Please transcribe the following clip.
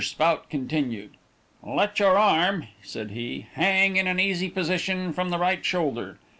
Spout continued: "Let your arm," said he, "hang in an easy position from the right shoulder.